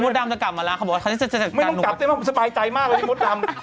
มดดำจะกลับมาแล้วเขาบอกว่าเขาจะเสด็จกันมดดำไม่ต้องกลับได้สบายใจมากเลยพี่มดดำ